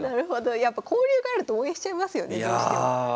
やっぱ交流があると応援しちゃいますよねどうしても。